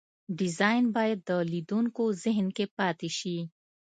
ډیزاین باید د لیدونکو ذهن کې پاتې شي.